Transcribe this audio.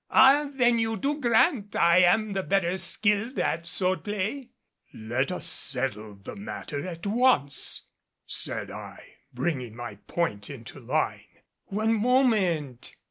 Ah! then you do grant I am the better skilled at sword play?" "Let us settle the matter at once," said I, bringing my point into line. "One moment!"